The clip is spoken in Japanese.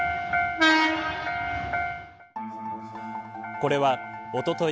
これはおととい